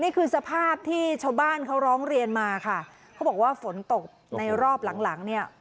นี่คือสภาพที่ชาวบ้านเขาร้องเรียนมาค่ะเขาบอกว่าฝนตกในรอบหลังหลังเนี่ย